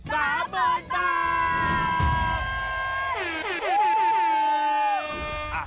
๓หม่อนตา